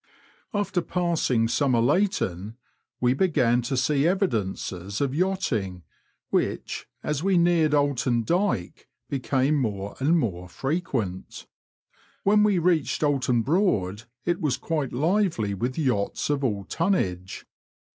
After passing Somerleyton we began to see evidences of yachting, which, as we neared Oulton Dyke, became more and more frequent ; when we reached Oulton Broad it was quite lively with yachts of all tonnage.